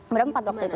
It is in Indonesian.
berapa waktu itu